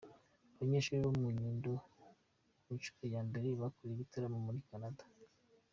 Abanyeshuri bo ku Nyundo ku nshuro ya mbere bakoreye ibitaramo muri Canada.